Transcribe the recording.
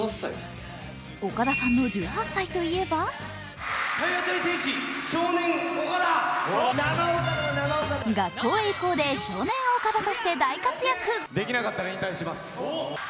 岡田さんの１８歳といえば「学校へ行こう！」で少年オカダとして活躍。